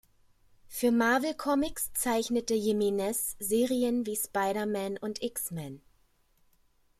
Für Marvel Comics zeichnete Jimenez Serien wie Spider-Man und X-Men.